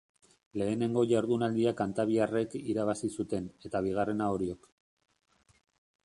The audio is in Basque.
Lehenengo jardunaldia kantabriarrek irabazi zuten, eta bigarrena Oriok.